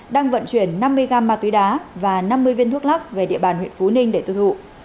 đang vận chuyển năm mươi g ma túy đá và năm mươi viên thuốc lắc về địa bàn huyện phú ninh để tiêu thụ